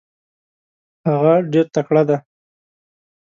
هغه ډېر تکړه دی.